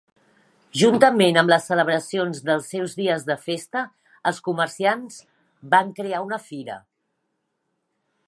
Juntament amb les celebracions dels seus dies de festa, els comerciants van crear una fira.